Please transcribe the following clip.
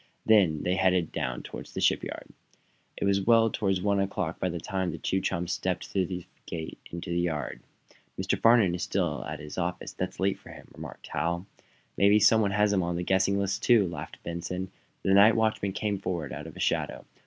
Then they headed down, toward the shipyard. It was well on toward one o'clock by the time that the chums stepped through the gate into the yard. "Mr. Farnum is still at his office. That's late for him," remarked Hal. "Maybe some one has him on the guessinglist, too," laughed Benson The night watchman came forward out of a shadow.